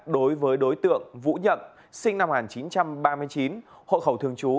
đối với đối tượng vũ nhậm sinh năm một nghìn chín trăm ba mươi chín hộ khẩu thường trú